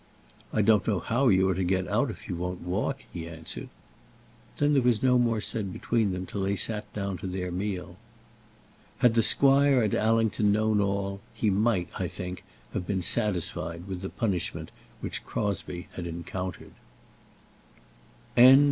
"I don't know how you are to get out if you won't walk," he answered. Then there was no more said between them till they sat down to their meal. Had the squire at Allington known all, he might, I think, have been satisfied with the punishment which Crosbie had encountered. CHAPTER XLIX.